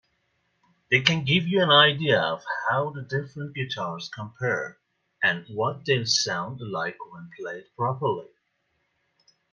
They can give you an idea of how the different guitars compare and what they'll sound like when played properly.